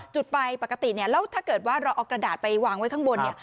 จุดไปปกติแล้วถ้าเกิดว่าเราเอากระดาษไปวางไว้ข้างบน